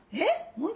本当？